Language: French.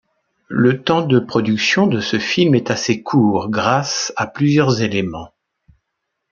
Le temps de production de ce film est assez court grâce à plusieurs éléments.